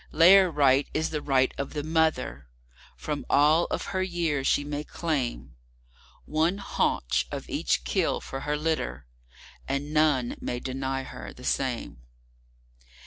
Lair Right is the right of the Mother. From all of her year she may claimOne haunch of each kill for her litter; and none may deny her the same.